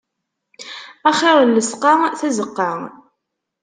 Axir llesqa, tazeqqa.